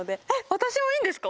私もいいんですか！？